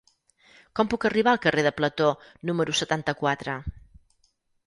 Com puc arribar al carrer de Plató número setanta-quatre?